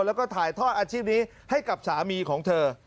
แล้วก็ถ่ายทอดอาชีพนี้ให้กับสามีของเธอ